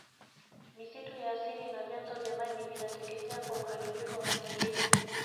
misitu ya asili na vyanzo vya maji vinateketea kwa uharibifu wa mazingira